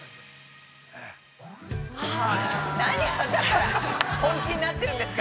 ◆はあ、何、本気になってるんですか。